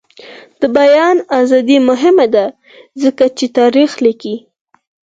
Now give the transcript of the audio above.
د بیان ازادي مهمه ده ځکه چې تاریخ لیکي.